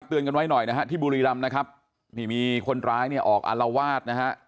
กันไว้หน่อยนะฮะที่บุรีรำนะครับนี่มีคนร้ายเนี่ยออกอารวาสนะฮะ